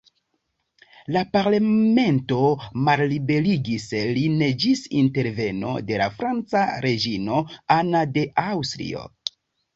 La Parlamento malliberigis lin ĝis interveno de la franca reĝino Anna de Aŭstrio.